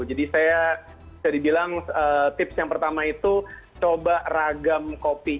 saya bisa dibilang tips yang pertama itu coba ragam kopi